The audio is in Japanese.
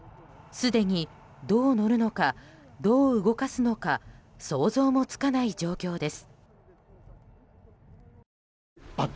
すでに、どう乗るのかどう動かすのか想像もつかない状況です。